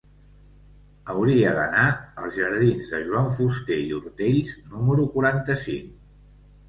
Hauria d'anar als jardins de Joan Fuster i Ortells número quaranta-cinc.